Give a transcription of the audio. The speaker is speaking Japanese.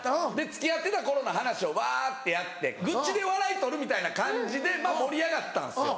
付き合ってた頃の話をわってやって愚痴で笑い取るみたいな感じで盛り上がったんですよ。